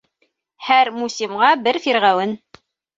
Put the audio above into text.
Һәр мусимға бер фирғәүен.